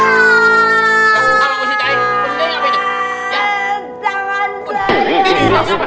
kalau positi aik positi aik ngapain